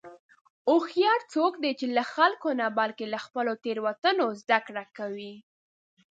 هوښیار څوک دی چې له خلکو نه، بلکې له خپلو تېروتنو زدهکړه کوي.